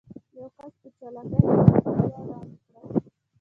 يو کس په چالاکي خپله قضيه وړاندې کړي.